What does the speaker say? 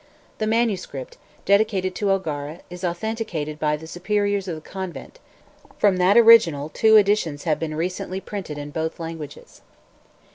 The MS., dedicated to O'Gara, is authenticated by the superiors of the convent; from that original two editions have recently been printed in both languages.